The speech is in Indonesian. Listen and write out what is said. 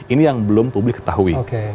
ini yang belum publik ketahui